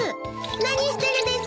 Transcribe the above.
何してるですか？